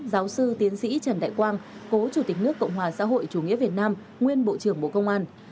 giáo sư tiến sĩ trần đại quang cố chủ tịch nước cộng hòa xã hội chủ nghĩa việt nam nguyên bộ trưởng bộ công an